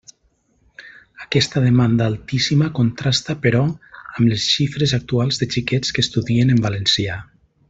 Aquesta demanda altíssima contrasta, però, amb les xifres actuals de xiquets que estudien en valencià.